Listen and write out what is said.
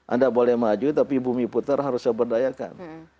anda boleh maju tapi bumi putar harus saya berdayakan